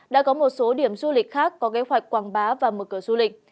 đã có một số điểm du lịch khác có kế hoạch quảng bá và mở cửa du lịch